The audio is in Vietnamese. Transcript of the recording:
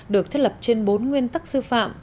được thiết lập trên bốn nguyên tắc sư phạm